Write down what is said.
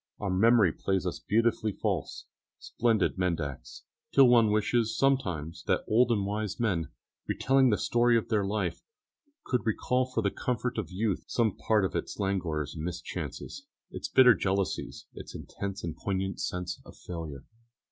Our memory plays us beautifully false splendide mendax till one wishes sometimes that old and wise men, retelling the story of their life, could recall for the comfort of youth some part of its languors and mischances, its bitter jealousies, its intense and poignant sense of failure.